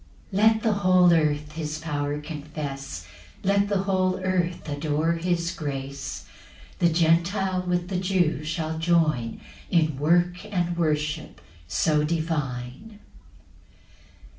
8 Let the whole earth his power confess, Let the whole earth adore his grace; The Gentile with the Jew shall join In work and worship so divine.